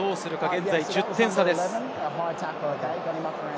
現在１０点差です。